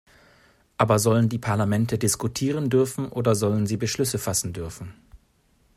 Aber sollen die Parlamente diskutieren dürfen oder sollen sie Beschlüsse fassen dürfen?